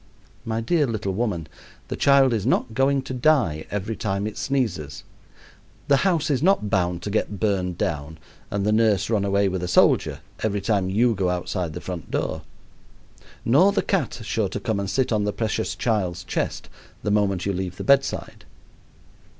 My dear little woman, the child is not going to die every time it sneezes, the house is not bound to get burned down and the nurse run away with a soldier every time you go outside the front door; nor the cat sure to come and sit on the precious child's chest the moment you leave the bedside.